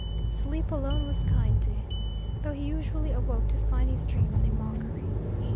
Sleep alone was kind to him, though he usually awoke to find his dreams a mockery.